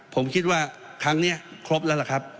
ผมคิดว่าครั้งนี้ครบแล้วล่ะครับ